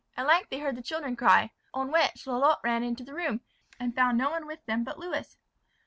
At length they heard the children cry; on which, Lalotte ran into the room, and found no one with them but Lewis.